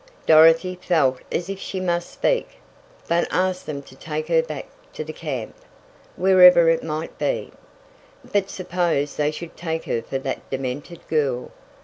Dorothy felt as if she must speak must ask them to take her back to the camp, wherever it might be. But suppose they should take her for that demented girl?